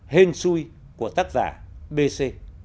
hên xui của tác giả bc